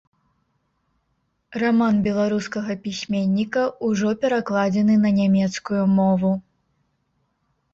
Раман беларускага пісьменніка ўжо перакладзены на нямецкую мову.